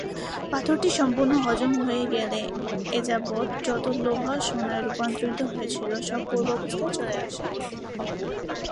পাথরটি সম্পূর্ণ হজম হয়ে গেলে এযাবৎ যত লোহা সোনায় রূপান্তরিত হয়েছিল সব পূর্বাবস্থায় চলে আসে।